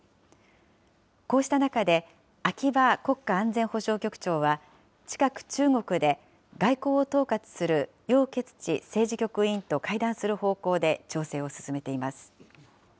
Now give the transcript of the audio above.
こうした中で、秋葉国家安全保障局長は、近く中国で、外交を統括する楊潔ち政治局委員と会談する方向で調整を進めています。